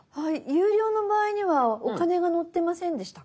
有料の場合にはお金が載ってませんでしたっけ？